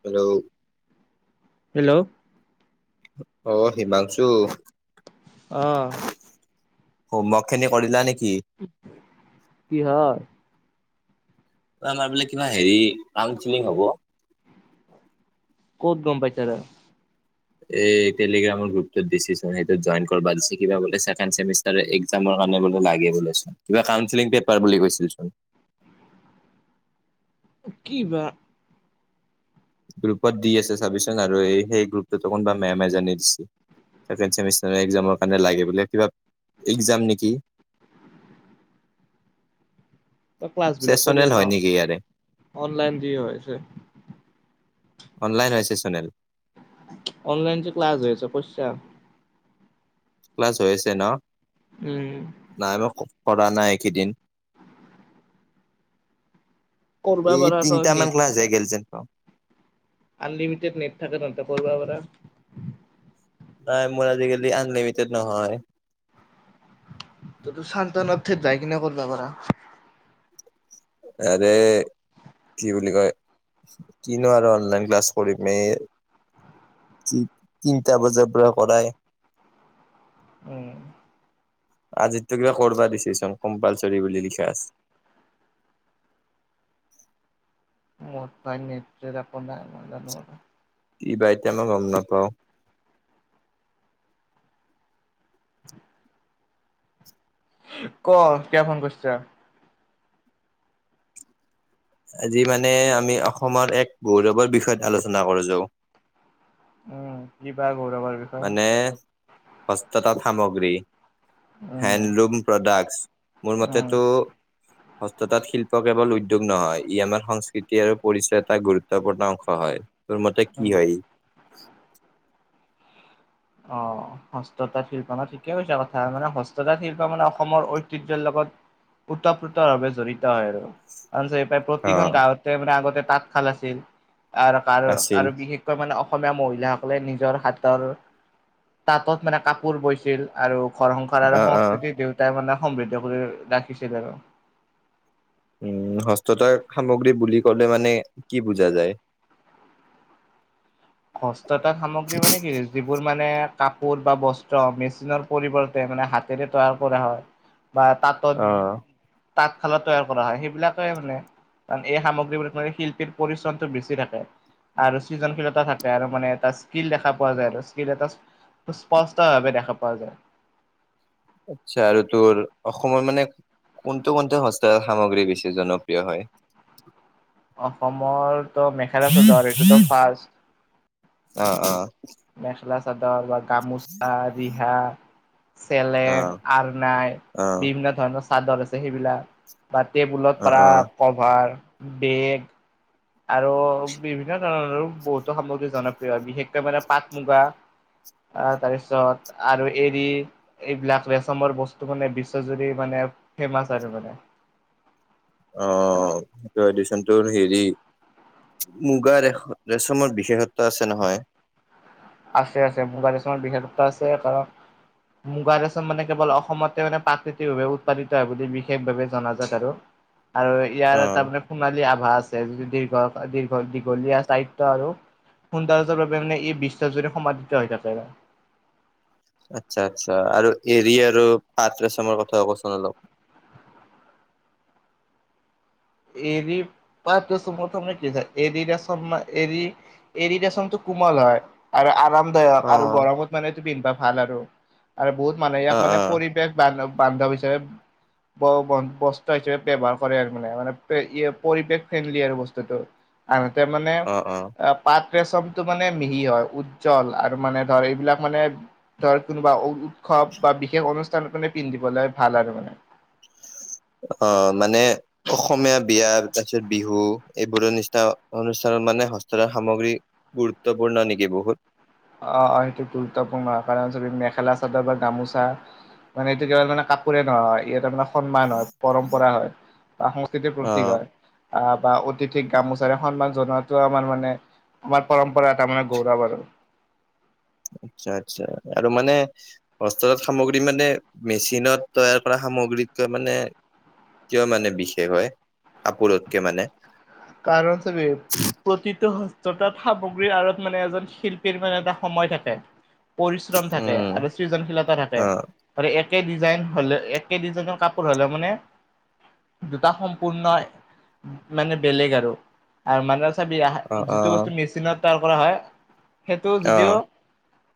Hello hello অ' হিমাংশু অ homework খিনি কৰিলা নেকি? কিহৰ? আমাৰ বোলে কিবা হেৰি ক কাওনচিলিং হব? ক'ত গম পাইছা তই? এই টেলিগ্ৰামৰ গ্ৰুপতোত দিছে চোন, সেইটোত জইন কৰবা দিছি কিবা বোলে চেকেণ্ড ছেমিষ্টাৰে এক্সম ল' কিবা কাউন্সিলং পেপাৰ বুলি কৈছিল। কিবা গ্ৰুপত দি আছে চাবি চোন, আৰু সেই গ্ৰুপটোত কোনোবা মেম জনি দিছে ছেকেণ্ড চেমিষ্টাৰ একজামৰ কাৰণে লাগে বোলে কিবা একজাম নেকি [inaudible] ক্লাছবিলাক কৰি চেচনেল আছা হয় নেকি ইয়াৰে আৰু অনলাইন দি হৈছে অনলাইন হৈছে চেচনেল। অনলাইন [unintelligible] ক্লাছ হৈ আছে ন? উম নাই মই কৰা নাই এইকেইদিন। কৰবা এই পাৰা তই তিনটা মান নেট ক্লাছ হৈ থাকে গ'ল যেন পাওঁ। আনলিমিটেড নেট থাকে তহ'তে কৰিব পাৰা। নাই মোৰ আজিকালি আনলিমিটেড নহয়। তই তোৰ শান্তনাথে যাই কিনে কৰিব পাৰা। অৰে কি বুলি কয়, কিনো আৰু অনলাইন ক্লাছ কৰিম এই। যি তিনিটা বজাৰ পৰা কৰায়। উম'। আজিতো কিবা কৰবা দিচিচোন। কম্পালচৰী বুলি লিখা আছে। মোৰ তাই নেত্ৰে যাব নাই, মই জানো আৰু কি বা ইতা মই গম নাপাও। ক' কিয় ফোন কৰছা। আজি মানে আমি অসমৰ এক গৌৰৱৰ বিষয়ত আলোচনা কৰ যোউ। উম, কিবা। গৌৰৱৰ বিষয়ে মানে হস্ততাঁত সামগ্ৰী। উম হেণ্ডলুম প্ৰডাক্টছ মোৰ উম মতেতো হস্ততাঁত শিল্প কেৱল উদ্যোগ নহয়। ই আমাৰ সংস্কৃতি আৰু পৰিচয় এটা গুৰুত্বপূৰ্ণ অংশ হয়। তোৰ মতে উম কি হয়। অ' হস্ততাঁত শিল্প ন' ঠিকেই কৈছা কথা মানে হস্ততাঁত শিল্প মানে অসমৰ ঐতিহ্যৰ লগত ওতঃপ্ৰোতভাৱে জড়িত হয় আৰু অ প্ৰতিখন গাঁৱতে মানে আগতে তাঁতশাল আছিল। আৰু কাৰ আছিল আৰু বিশেষকৈ মানে অসমীয়া মহিলাসকলে নিজৰ হাতৰ তাঁতত মানে কাপোৰ বৈছিল আৰু ঘৰ-সংসাৰ আৰু অ অ সংস্কৃতি দেউতাই মানে সমৃদ্ধ কৰি ৰাখিছিল আৰু উ হস্ততাঁত সামগ্ৰী বুলি ক'লে মানে কি বুজা যায়। [inaudible] হস্ত তাঁত সামগ্ৰী মানে কি, যিবোৰ মানে কাপোৰ বা বস্ত্ৰ, মেচিনৰ পৰিৱৰ্তে মানে হাতেৰে তৈয়াৰ কৰা হয় বা তাঁতত, অ'। তাঁতশালত তৈয়াৰ কৰা হয়, সেইবিলাকে মানে। কাৰণ এই সামগ্ৰীবোৰত মানে শিল্পীৰ পৰিশ্ৰমটো বেছি থাকে আৰু সৃজনশীলতা থাক কে আৰু মানে এটা স্কিল দেখা পোৱা যায় আৰু, স্কিল এটা স্পষ্ট ভাৱে দেখা পোৱা যায়। আচ্ছা এইটো আৰু। অসমৰ মানে কোনটো [unintelligible] হস্ত সামগ্ৰী বেছি জনপ্ৰিয় হয়? অসমৰতো মেখেলা চাদৰ, আৰু এইটোতো ফাৰ্ষ্ট অ', অ', মেখেলা চাদৰ বা গামোচা, ৰিহা চেলেং, অ', আৰনাই, অ', বিভিন্ন ধৰণৰ চাদৰ আছে সেইবিলাক বা টেবুলত অ', পৰা অ', ক'ভাৰ, বেগ আৰু বিভিন্ন ধৰণৰ বহুতো সামগ্ৰী জনপ্ৰিয়, বিশেষকৈ মানে পাট মুগা আ তাৰপিছত আৰু এৰি, এইবিলাক ৰেচমৰ বস্তু মানে বিশ্বজুৰি মানে ফেমাচ আৰু মানে অ', সেইটো এডিশনটোৰ হেৰি মুগা ৰেচমৰ বিশেষত্ব আছে নহয় আছে আছে মুগা ৰেচমৰ বিশেষত্ব আছে কাৰণ মুগা ৰেচম মানে কেৱল অসমতে মানে প্ৰাকৃতিকভাৱে উৎপাদিত হয় বুলি বিশেষভাৱে জনাজাত আৰু আৰু ইয়াৰ অ', এটা মানে সোণালী আভ ভাস আছে, দীৰ্ঘ দীৰ্ঘ দীঘলীয়া স্থায়িত্ব আৰু, [unintelligible] এই বিশ শ্ব' জুৰি সমাদিত হৈ থাকে আচ্ছা, আচ্ছা, আৰু এৰি আৰু পাতৰেচমৰ কথা কোৱাচোন অলপ। [inaudible] এৰ প কি এৰিচ এৰ এৰি দচটো [unintelligible] কোমল হয় আৰু আৰামদায়ক আৰু অ', গৰমত মানেটো পিন্ধবা ভাল আৰু আৰু বহুত মানুহে ইয়াক অ', মানে অ', পৰিৱেশ বান্ধ। বান্ধৱ হিচাপে বস্ত্ৰ হিচাপে ব্যৱহাৰ কৰে আৰু মানে মানে, পৰিৱেশ ফ্ৰেণ্ডলি আৰু বস্তুটো আনহাতে মানে অ', অ'। পাত, মানে মিহি হয় উজ্জ্বল আৰু মানে ধৰ এইবিলাক মানে ধৰ কোনোবা উৎস বা বিশেষ অনুষ্ঠান মানে পিন্ধিবলৈ ভাল আৰু মানে। [inaudible] অ মানে অসমীয়া বিয়া তাৰপিছত বিহু এইবোৰো নিচিনা অনুষ্ঠান মানে হস্তৰে সামগ্ৰী গুৰুত্বপূৰ্ণ নেকি বহুত? অ অ সেইটো গুৰুত্বপূৰ্ণ কাৰণ চ মেখেলা চাদৰ বা গামোচা, মানে এইটো কেল মানে কাপোৰে নহয় ইয়াতে তাৰানে সন্মান হয়‌ পৰম্পৰা হয় বা সংস্কৃতিৰ অ প্ৰতক হয় আহ বা অতিথিক গামোচাৰে সন্মান জনোৱাতো আমাৰ মানে আমাৰ পৰম্পৰা এটা মানে গৌৰৱ আৰু [inaudible] আচ্ছা আচ্ছা আৰু মানে হষ্টেলত সামগ্ৰী মানে মেচিনত তৈয়াৰ কৰা সামগ্ৰীত মানে কিয় মানে বিশেষ হয় কপোৰতকে মানে, কাৰণ তুমি প্ৰতিটো যতাত সামগ্ৰীৰ আঁৰত মানে এজন শিল্পীৰ মানে এটা সময় থাকে। পৰিশ্ৰম থাকে উম আৰু সৃজনশীলতা থাকে অ আৰু একে ডিজাইন হ'লে একে ডিজাইনৰ কাপোৰ হ'লে মানে দুটা সম্পূৰ্ণ মানে বেলেগ আৰু আৰু মানে চ অ অ যিটো বস্তু মেচিনত তৈয়াৰ কৰা হয়। সেইটো অ যদিও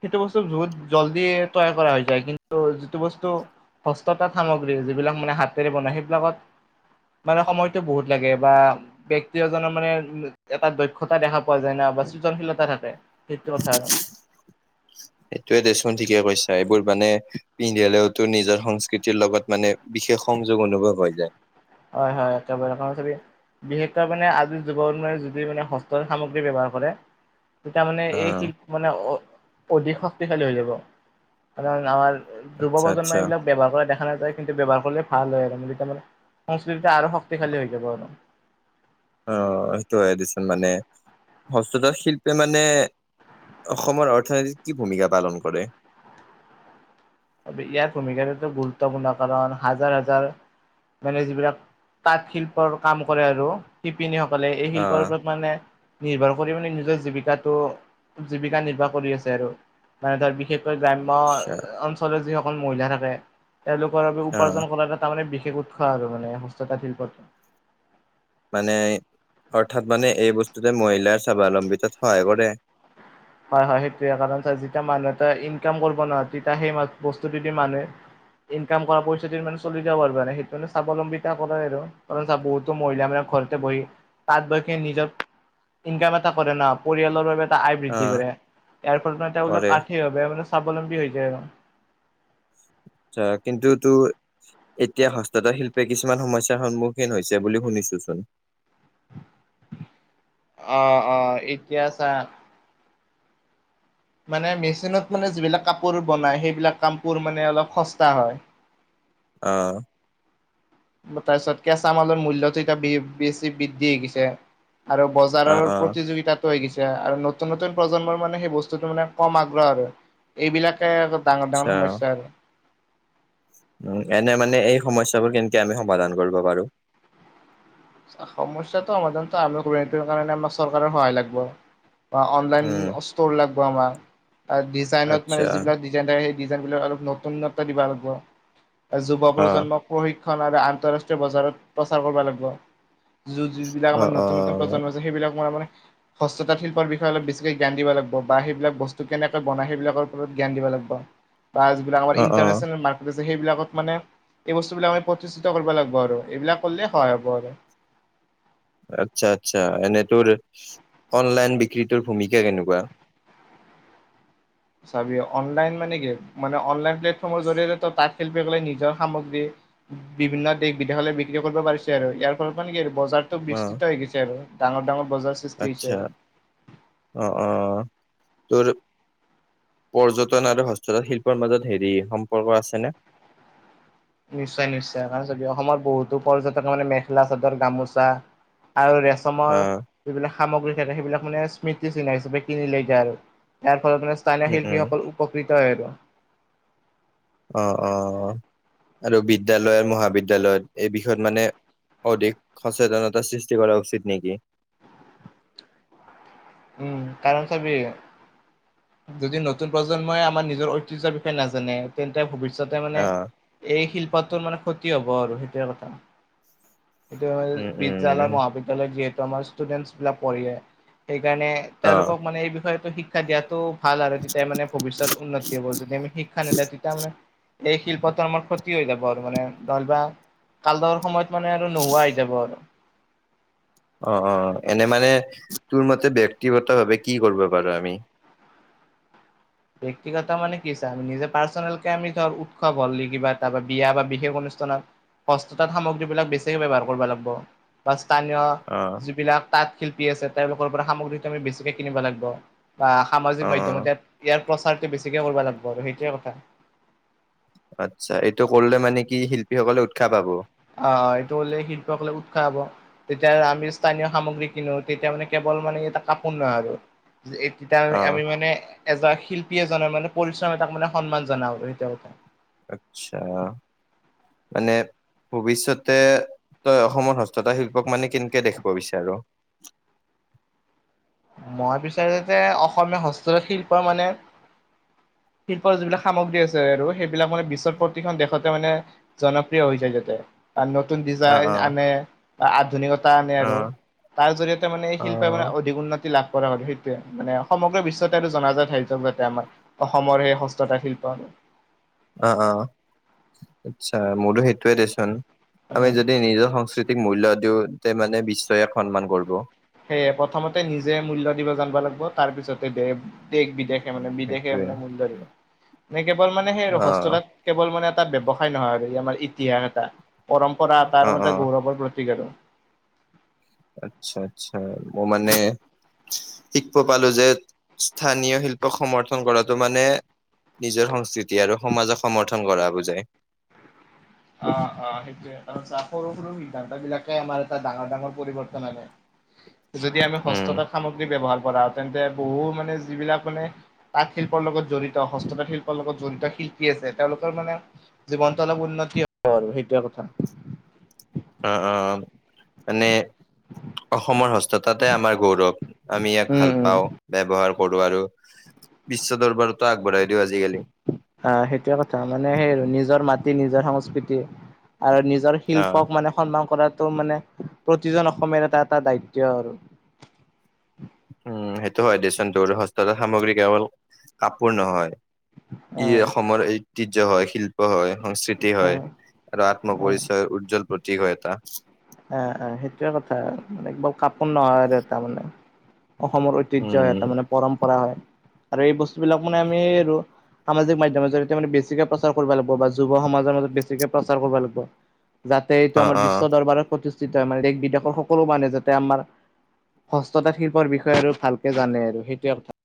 সেইটো বস্তু বহুত জল্দি তৈয়াৰ কৰা হৈ যায় কিন্তু যিটো বস্তু হস্ততাঁত সামগ্ৰী যিবিলাক মানে হাতেৰে বনাই সেইবিলাকত মানে সময়তটো বহুত লাগে বা ব্যক্তি এজনৰ মানে এটা দক্ষতা দেখা পোৱা যায় না বা সৃজনশীলতা থাকে। সেইটো কথা আৰু সেইটোয়ে দেচোন ঠিকে কৈছা। এইবোৰ মানে পিন্ধালেওতো নিজৰ সংস্কৃতিৰ লগত মানে বিশেষ সংযোগ অনুভৱ হৈ যায়। হয়-হয় একেবাৰে [unintelligible] বিশেষকৈ মানে আজিৰ যুগত যদি মানে হস্তৰ সামগ্ৰী ব্যৱহাৰ কৰে। তেতিয়া মানে অ এই শিল্প মানে অধিক শক্তিশালী হৈ যাব। কাৰণ আমাৰ যুৱ আচ্ছা প্ৰজন্মই আচ্ছা এইবিলাক ব্যৱহাৰ কৰা দেখা নাযায়। কিন্তু ব্যৱহাৰ কৰিলে ভাল হয় আৰু ম তাৰ মানে আৰু শক্তিশালী হৈ যাব আৰু অ, সেইটো হয় দিচোন মানে হস্ততাঁত শিল্পী মানে অসমৰ অৰ্থনীতিত কি ভূমিকা পালন কৰে? ইয়াত ভূমিকাতো গুৰুত্বপূৰ্ণ কাৰণ হাজাৰ, হাজাৰ মানে যিবিলাক তাঁত শিল্প আৰু কাম কৰে আৰু শিপিনীসক ক'লে এই শিল্পৰ আহ ওপৰত মানে নিৰ্ভৰ কৰি মানে নিজৰ জীৱিকাটো জীৱিকা নিৰ্বাহ কৰি আছে। আৰু মানে ধৰ বিশেষ গ্ৰাম্য আচ্ছা অঞ্চলৰ যিসকল মহিলা থাকে, তেওঁলোকৰ বাবে আহ উপাৰ্জন কৰা এটা তাৰমানে বিশ কোট খোৱা আৰু মানে হস্ততাঁত শিল্পত মানে অৰ্থাৎ মানে এই বস্তুতে মহিলাৰ স্বাৱলম্বিতাত সহায় কৰে। হয়, হয় হেটোৱে কাৰণ যেতিয়া মানুহ এটাই ইনকাম কৰিব নোৱা, তেতিয়া সেই বস্তুটো দি মানুহে ইনকাম কৰা পইচাটো দি মানে চলি যাব আৰু মানে সেইটো স্বাৱলম্বিতা কৰে আৰু কাৰণ বহুতো মহিলা মানে ঘৰতে বহি তাঁত বৈকে নিজৰ ইনকাম এটা কৰে না। পৰিয়ালৰ বাবে এটা আই বৃ আহ কৰে ইয়াৰ ফলত মানে কৰে। তেওঁলোক আৰ্থিকভাৱ মানে স্বাৱলম্বী হৈ যায় আৰু আচ্ছা কিন্তু তো এতিয়া হস্ততা শিল্পে কিছুমান সমস্যা সন্মুখীন হৈছে বুলি শুনিছোচোন। অ-অ এতিয়া চা মানে মেচিনত মানে যিবিলাক কাপোৰ বনাই সেইবিলাক কামবোৰ মানে অলপ সস্তা হয়। অহ তাৰপিছত কেঁচা মালৰ মূল্যতটো এতিয়া বেছি বৃদ্ধি হৈ গৈছে। আৰু অ বজাৰৰ অ প্ৰতিযোগিতা [unintelligible] এতিয়া আৰু নতুন, নতুন প্ৰজন্মৰ মানে সেই বস্তুটো মানে কম আগ্ৰহ আৰু এইবিলাকে ডাঙৰ, ডাঙৰ সমস্যা আৰু। উ এনে মানে এই সমস্যাবোৰ কেনেকে আমি সমাধান কৰিব পাৰো? সমস্যাটো সমাধান আমি কৰিবৰ কাৰণে আমাৰ চৰকাৰৰ সহায় লাগিব। বা অনলাইন উম ষ্ট'ৰ লাগিব আমাক। ডিজাইনত মানে আচ্ছা যিবিলাক ডিজাইন থাকে সেই ডিজাইন বিলাক আৰু নতুনত্ত্ব দিব লাগিব। অ যুবপ্ৰজন্মক প্ৰশিক্ষ ক্ষণ আৰু আন্তঃৰাষ্ট্ৰীয় বজাৰত প্ৰচাৰ কৰিব লাগিব। য'ত যিবিলাক অ আমৰ অ নতুন নতুন প্ৰজন্ম আছে সেইবিলাক মানে হস্ত তাঁত শিল্পৰ বিষয়ে অলপ বেছিকে জ্ঞান দিব লাগিব, বা সেইবিলাক বস্তু কেনেকে বনাই সেইবিলাক ওপৰত জ্ঞান দিব লাগিব। গিব বা যিবিলাক অ অ ইণ্টাৰনেশ্যনেল মাৰ্কেট ছে সেইবিলাকত মানে এই বস্তুবিলাক আমি প্ৰতিষ্ঠিত কৰিব লাগিব আৰু, এইবিলাক কৰিলে সহায় হ'ব আৰু। আচ্ছা আচ্ছা এনেই তোৰ অনলাইন বিক্ৰীটোৰ ভূমিকা কেনেকুৱা? চাবি অনলাইন মানে কি? মানে অনলাইন প্লেটফৰ্মৰ জৰিয়তে তাঁত শিল্পী সকলে নিজৰ সামগ্ৰী বিভিন্ন দেশ বিদেশলৈ বিক্ৰী কৰিব পাৰিছে আৰু, ইয়াৰ ফলৰ মানে কি আৰু বজাৰটো অ বিস্তৃত হৈ গৈছে আৰু, ডাঙৰ ডাঙৰ বজাৰ সৃষ্টি হৈছে আচ্ছা, আৰু অ' আহ তোৰ পৰ্যটন আৰু হস্ততাঁত শিল্পৰ মাজত হেৰি সম্পৰ্ক আছেনে? নিশ্চয় নিশ্চয়, কাৰণ চাবি অসমৰ বহুতো পৰ্যটকে মানে মেখেলা চাদৰ গামোচা আৰু অ ৰেচমৰ যিবিলাক সামগ্ৰী থাকে সেইবিলাক মানে স্মৃতি চিহ্ন হিচাপে কিনি লৈ যায় আৰু। ফলত স্থানীয় উম উম শিল্পীসকল উপকৃত হয় আৰু। অ', অ' আৰু বিদ্যালয় আৰু মহাবিদ্যালয়ত এই বিষয়ত মানে অধিক সচেতনতাৰ সৃষ্টি কৰা উচিত নেকি? উম, কাৰণ চাবি যদি নতুন প্ৰজন্মই আমাৰ নিজৰ ঐতিহ্যৰ বিষয়ে নাজানে তেন্তে ভৱিষ্যত তে অ মানে এই শিল্পটোৰ মানে ক্ষতি হ'ব আৰু সেইটোৱে কথা। এইটো হয় উম বিদ্যালয় উম মহাবিদ্যালয়ত যিহেতু আমাৰ ষ্টুডেন্টছ বিলাক পঢ়ে ই কাৰণে অ তেওঁলোকক মানে এই বিষয়তে শিক্ষা দিয়াতো ভাল আৰু, তেতিয়া মানে ভৱিষ্যত উন্নতি হ'ব। যদি আমি শিক্ষা নিদিওঁ তেতিয়া মানে এই শিল্পটো আমাৰ ক্ষতি হৈ যাব আৰু মানে। ন'হলেবা কালডৰ সময়ত মানে আৰু নোহোৱা হৈ যাব আৰু। অ', অ' এনে মানে তোৰ মতে ব্যক্তিগত ভাৱে কি কৰিব পাৰো আমি? ব্যক্তিগত মানে কি আ আমি নিজে পাৰ্চনেল কে আমি ধৰ উৎসৱ হ'লে কিবা তাৰ বিয়া বা বিশেষ হস্থতাঁত সামগ্ৰী বিলাক বেছিকে ব্যৱহাৰ কৰিব লাগিব। স্থানীয় অ যিবিলাক তাঁত শিল্পী আছে তেওঁলোকৰ পৰা সামগ্ৰী আমি বেছিকে কিনিব লাগিব। বা সামাজিক অ অ মাধ্যমত ইযাত ইয়াৰ প্ৰচাৰটো বেছিকে কৰিব লাগিব আৰু সেইটোৱে কথা। আচ্ছা, এইটো কৰিলে মানে কি শিল্পীসকলে উৎসাহ পাব? অ' এইটো হ'লে শিল্পকলে উৎসাহ পাব, তেতিয়া আমি স্থানীয় সামগ্ৰী কিনো তেতিয়া মানে কল মানে এটা কাপোৰ নহয় আৰু, তেতিয়া অ আমি মানে এজ শিল্পী এজনৰ মানে পৰিশ্ৰম এ তাক মানে সন্মান জনোৱা হ'ল সেইটো কথা। আচ্ছা, মানে ভৱিষ্যতে তই অসমত হস্ততাঁত শিল্পক মানে কেনেকে দেখিৱ বিচাৰ? মই বিচাৰো যে যে অসমীয়া হস্ততাঁত শিল্প মানে শিল্পৰ যিবিলাক সামগ্ৰী আছে, আৰু সেইবিলাক মানে বিশ্বৰ প্ৰতিখন দেশতে মানে, জনপ্ৰিয় হৈ যায় যাতে। আ নতুন ডিজাইন অ', আনে, আধুনিকত তা আনে আৰু। অ', তাৰ জৰিয়তে মানে এই শিল্পে মানে অ', অধিক উন্নত লাভ কৰা হয় সেইটোৱে, মানে সমগ্ৰ বিশ্বতে আৰু জনাজাত হৈ যাক যাতে আমাৰ অসমৰ সেই হস্ততাত শিল্প [inaudible] অ, অ', আচ্ছা মোৰও সেইটোৱে দেচোন। আমি উম যদি নিজৰ সংস্কৃতিক মূল্য দিওঁ, তে মানে বিশ্বয়ে ইয়াক সন্মান কৰিব। সেয়ে প্ৰথমতে নিজে মূল্য দিব জানিব লাগিব তাৰ পিছতে দে দেশ বিদেশে মানে বিদেশে সেইটোৱে মানে মূল্য দিব মানে কেৱল মানে সেই আৰু অ', হস্তলত কেৱল মানে এটা বৱসায় নহয় আৰু আমাৰ ইতিহাস এটা পৰম্পৰা তাৰ অ', মে অ', গৌৰৱৰ প্ৰতীক আৰু আচ্ছা আচ্ছা ম মানে শিকব পালো যে স্থানীয় শিল্পক সমৰ্থন কৰাটো মানে নিজৰ সংস্কৃতি আৰু সমাজক সমৰ্থন কৰা বুজায়। অ', অ', সেইটোৱে তাৰছ সৰু সৰু সিদ্ধান্ত বিলাকে আমাৰ এটা ডাঙৰ ডাঙৰ পৰিৱৰ্তন আনে। [unintelligible] যদি আমি উম, হস্ততাঁত সামগ্ৰী ব্যৱহাৰ কৰা তেন্তে বহু মানে যিবিলাক মানে তাঁত শিল্পৰ লগত জড়িত, হস্ততাঁ শিল্পৰ লগত জড়িত শি শিকি আছে তেওঁলোকৰ মানে জীৱনটো অলপ উন্নতি হ'ব আৰু সেইটোয়ে কথা অহ অ', মানে অসমৰ হস্ততাঁতে আমাৰ গৌৰৱ। আমি ইয়াক উম, ভাল উম। পাওঁ ব্যৱহাৰ কৰো আৰু বিশ্ব দৰবাৰতো আগবঢ়াই দিওঁ আজিকালি অহ সেইটোৱে কথা মানে সেই আৰু নিজৰ মাটি নিজৰ সংস্কৃতি আৰু নিজৰ আহ শিল্পক মানে সন্মান কৰাত টো মানে প্ৰতিজন অসমীয় এটা এটা দায়িত্ব আৰু। উম সেইটো হয় দেচোন তোৰ হষ্টেলত সামগ্ৰী কেৱল কাপোৰ নহয় অ ই অসমৰ ঐতিহ্য হয় শিল্প হয়। সংস্কৃতি অ হয় আৰু আত্ম পৰিৰিচয়ৰ উজ্জ্বল প্ৰতীক হয় এটা। অহ অ', সেইটোয়ে কথা এক বাৰ কাপোৰ নহয় দে তাৰ মানে। অসমৰ ঐতিহ্য হয় এটা উম মানে পৰম্পৰা হয় আৰু এই বস্তুবিলাক মানে আমি সামাজিক মাধ্যমৰ জৰিয়তে মানে বেছিকে প্ৰচাৰ কৰিব লাগিব বা যুৱ সমাজৰ মাজত বেছিকে প্ৰচাৰ কৰিব লাগিব। যাতে এইটো অ আমাৰ অ বিশ্ব দৰবাৰত প্ৰতিষ্ঠিত হয় মানে দেশ বিদেশৰ সকলো মানুহে যাতে আমাৰ হস্ততাঁত শিল্পৰ বিষয়ে আৰু ভালকে জানে আৰু সেইটোৱে কথা